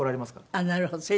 あっなるほど。